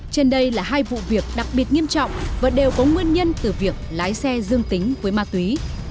trên đây là hai vụ việc đặc biệt nghiêm trọng và đều có nguyên nhân từ việc lái xe dương tính với ma túy